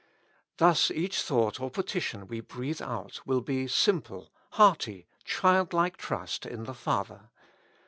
Thus each thought or petition we breathe out will be simple, hearty, childlike trust in the Father.